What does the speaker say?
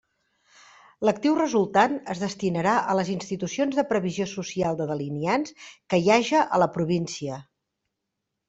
L'actiu resultant es destinarà a les institucions de previsió social de delineants que hi haja a la província.